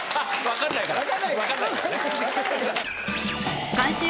分かんないから。